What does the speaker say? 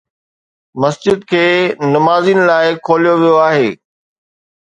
مسجد کي نمازين لاءِ کوليو ويو آهي